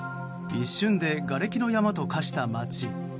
一瞬でがれきの山と化した街。